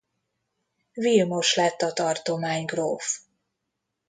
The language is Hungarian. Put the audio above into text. Vilmos lett a tartománygróf.